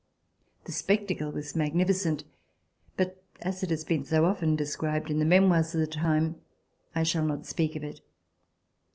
The spectacle was magnificent, but as it has been so often described in the memoirs of the time, I shall not speak of it.